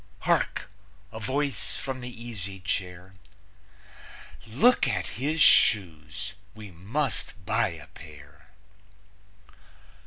(Hark! A voice from the easy chair: "Look at his shoes! We must buy a pair.")